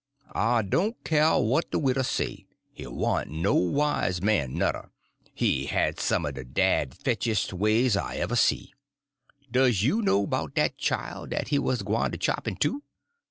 "I doan k'yer what de widder say, he warn't no wise man nuther. He had some er de dad fetchedes' ways I ever see. Does you know 'bout dat chile dat he 'uz gwyne to chop in two?"